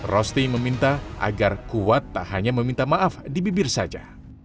rosti meminta agar kuat tak hanya meminta maaf di bibir saja